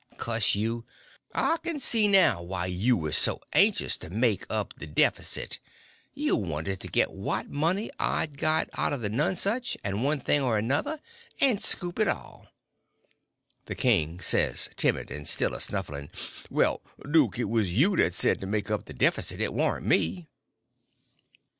Cuss you, I can see now why you was so anxious to make up the deffisit—you wanted to get what money I'd got out of the Nonesuch and one thing or another, and scoop it all!" The king says, timid, and still a snuffling: "Why, duke, it was you that said make up the deffisit; it warn't me."